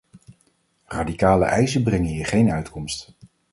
Radicale eisen brengen hier geen uitkomst.